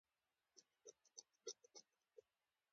په کابل کې موسم ډېر سوړ دی.